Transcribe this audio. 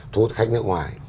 thu hút khách nước ngoài